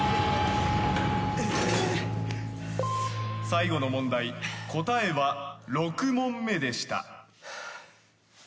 最後の問題答えは「６問目」でした。